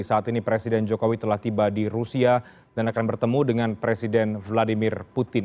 saat ini presiden jokowi telah tiba di rusia dan akan bertemu dengan presiden vladimir putin